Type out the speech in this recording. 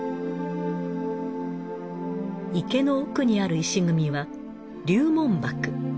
池の奥にある石組みは龍門瀑。